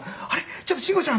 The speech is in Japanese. ちょっと慎吾ちゃん」